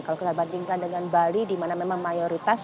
kalau kita bandingkan dengan bali di mana memang mayoritas